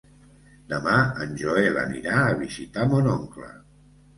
Demà en Joel anirà a visitar mon oncle.